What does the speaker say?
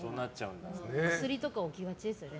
薬とか置きがちですよね